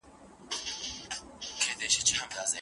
ښاماري زلفو يې په زړونو باندې زهر شيندل